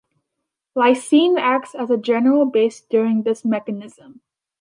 Lysine acts as a general base during this mechanism.